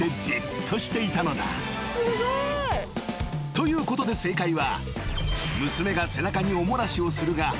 ［ということで正解は］